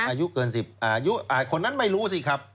อายุเกิน๑๐อายุคนนั้นไม่รู้สิครับ